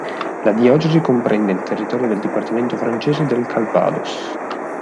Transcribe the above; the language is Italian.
La diocesi comprende il territorio del dipartimento francese del Calvados.